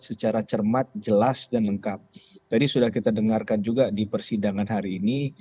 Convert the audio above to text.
secara cermat jelas dan lengkap tadi sudah kita dengarkan juga di persidangan hari ini